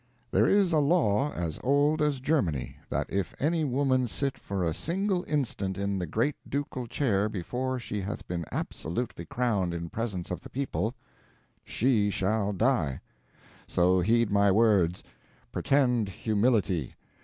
There is a law as old as Germany that if any woman sit for a single instant in the great ducal chair before she hath been absolutely crowned in presence of the people, SHE SHALL DIE! So heed my words. Pretend humility.